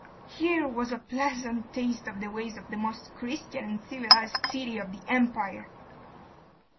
Here was a pleasant taste of the ways of the most Christian and civilised city of the Empire!